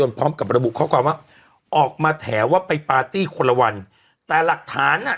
พร้อมกับระบุข้อความว่าออกมาแถว่าไปปาร์ตี้คนละวันแต่หลักฐานอ่ะ